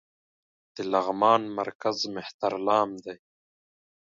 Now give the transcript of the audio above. د لغمان مرکز مهترلام دى